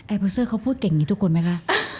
พอเซอร์เขาพูดเก่งอย่างนี้ทุกคนไหมคะ